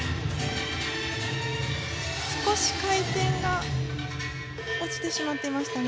少し回転が落ちてしまっていましたね。